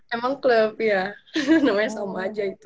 emang klub ya namanya sama aja itu